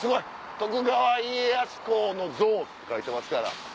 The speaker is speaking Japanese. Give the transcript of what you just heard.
「徳川家康公之像」って書いてますから。